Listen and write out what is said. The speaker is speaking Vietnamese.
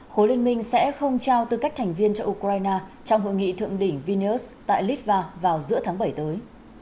khối liên minh sẽ không trao tư cách thành viên cho ukraine trong hội nghị thượng đỉnh vinus tại litva vào giữa tháng bảy tới